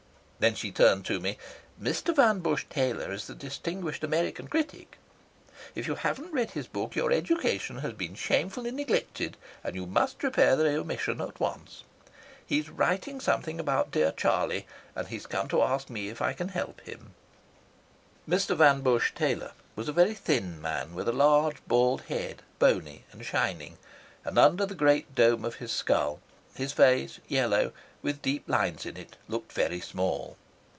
Then she turned to me. "Mr. Van Busche Taylor is the distinguished American critic. If you haven't read his book your education has been shamefully neglected, and you must repair the omission at once. He's writing something about dear Charlie, and he's come to ask me if I can help him." Mr. Van Busche Taylor was a very thin man with a large, bald head, bony and shining; and under the great dome of his skull his face, yellow, with deep lines in it, looked very small.